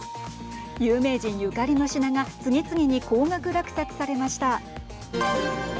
有名人ゆかりの品が次々に高額落札されました。